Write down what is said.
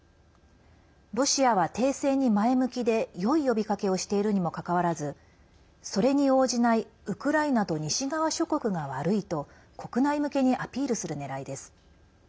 ロシアは停戦に前向きでよい呼びかけをしているにもかかわらずそれに応じないウクライナと西側諸国が悪いと国内向けにアピールする狙いです。